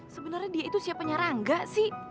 sebenarnya dia itu siapa nya rangga sih